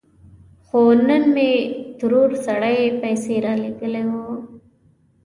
خو نن مې ترور سړی پسې رالېږلی و.